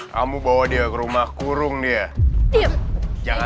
sampai kamu akui semuanya